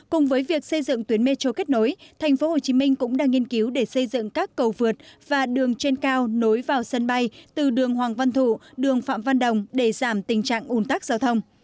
cùng với việc xây dựng tuyến metro kết nối tp hcm cũng đang nghiên cứu để xây dựng các cầu vượt và đường trên cao nối vào sân bay từ đường hoàng văn thụ đường phạm văn đồng để giảm tình trạng ủn tắc giao thông